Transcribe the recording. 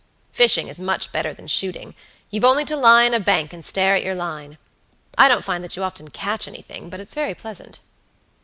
Fishing is much better than shooting; you've only to lie on a bank and stare at your line; I don't find that you often catch anything, but it's very pleasant."